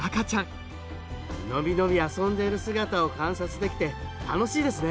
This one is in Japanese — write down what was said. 伸び伸び遊んでいる姿を観察できて楽しいですね。